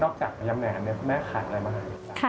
นอกจากยำแหงแม่ขายอะไรบ้างครับ